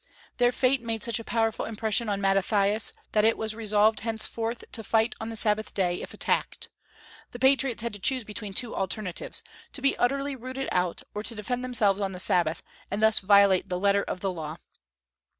Their fate made such a powerful impression on Mattathias, that it was resolved henceforth to fight on the Sabbath day, if attacked. The patriots had to choose between two alternatives, to be utterly rooted out, or to defend themselves on the Sabbath, and thus violate the letter of the Law.